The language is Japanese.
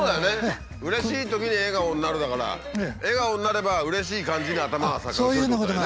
うれしいときに笑顔になるんだから笑顔になればうれしい感じに頭が錯覚するっていうことだよね。